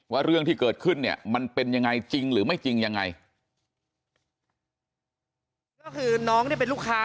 ว่าเรื่องที่เกิดขึ้นเนี่ยมันเป็นยังไงจริงหรือไม่จริงยังไง